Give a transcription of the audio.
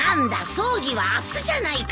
葬儀は明日じゃないか。